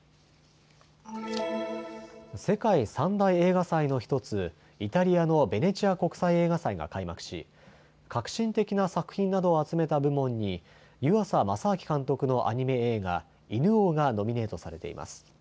世界３大映画祭の１つ、イタリアのベネチア国際映画祭が開幕し革新的な作品などを集めた部門に湯浅政明監督のアニメ映画、犬王がノミネートされています。